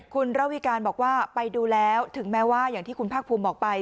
คุณระวิการบอกว่าไปดูแล้วถึงแม้ว่าอย่างที่คุณภาคภูมิบอกไป